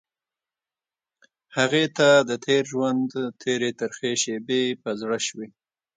هغې ته د تېر ژوند تېرې ترخې شېبې په زړه شوې.